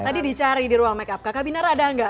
tadi dicari di ruang make up kakak binar ada nggak